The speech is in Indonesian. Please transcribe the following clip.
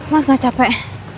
mas gak capek